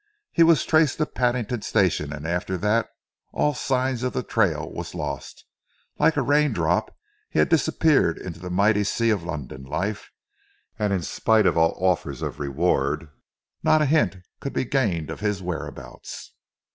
He was traced to Paddington station, and after that all sign of the trail was lost. Like a rain drop he had disappeared into the mighty sea of London life, and in spite of all offers of reward not a hint could be gained of his whereabouts.